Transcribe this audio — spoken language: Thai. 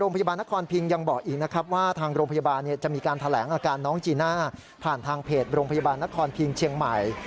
โรงพยาบาลนครพิงเชียงใหม่